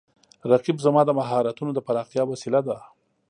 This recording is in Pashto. رقیب زما د مهارتونو د پراختیا وسیله ده